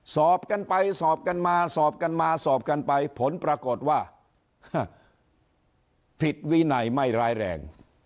สอบกันไปสอบกันมาสอบกันมาสอบกันไปผลปรากฏว่าผิดวินัยไม่ร้ายแรง